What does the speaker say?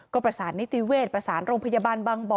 ก็ประสานนิติเวศประสานโรงพยาบาลบางบ่อ